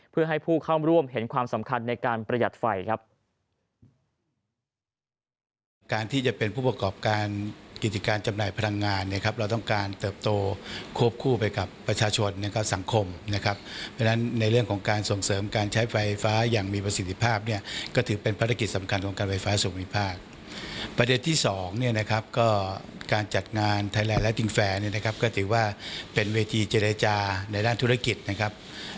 เพื่อให้ผู้เข้าร่วมเห็นความสำคัญในการประหยัดไฟครับ